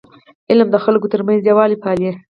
علم د خلکو ترمنځ یووالی پالي.